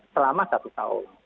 selama satu tahun